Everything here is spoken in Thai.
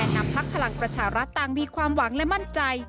นำพักพลังประชารัฐต่างมีความหวังและมั่นใจ